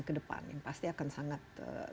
ke depan yang pasti akan sangat